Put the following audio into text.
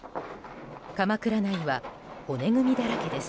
かまくら内は骨組みだらけです。